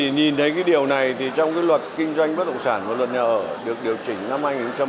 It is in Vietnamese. nhìn thấy điều này trong luật kinh doanh bất động sản và luật nhà ở được điều chỉnh năm hai nghìn một mươi